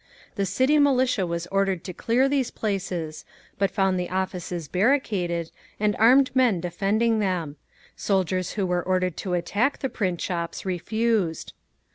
The City Militia was ordered to clear these places, but found the offices barricaded, and armed men defending them. Soldiers who were ordered to attack the print shops refused.